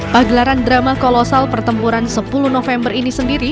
pagelaran drama kolosal pertempuran sepuluh november ini sendiri